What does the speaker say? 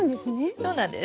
そうなんです。